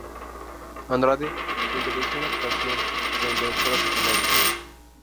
Andrade se interesó en la actuación durante la escuela secundaria.